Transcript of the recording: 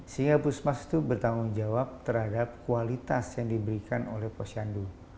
sehingga puskesmas itu bertanggung jawab terhadap kualitas yang diberikan oleh puskesmas